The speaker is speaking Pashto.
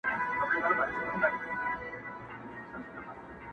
څه مور لنگه، څه ترور لنگه.